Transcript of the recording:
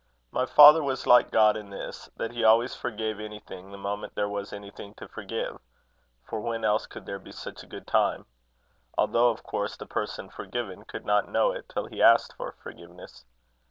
My father was like God in this, that he always forgave anything the moment there was anything to forgive; for when else could there be such a good time? although, of course, the person forgiven could not know it till he asked for forgiveness.